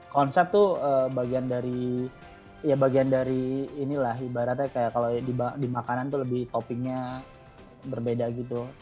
konsep tuh bagian dari ibaratnya kalau di makanan lebih toppingnya berbeda gitu